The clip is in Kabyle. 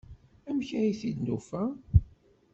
Amek ay t-id-nufa?